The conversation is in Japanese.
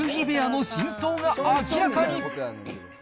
部屋の真相が明らかに。